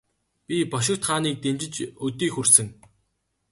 Би бошигт хааныг дэмжиж өдий хүрсэн.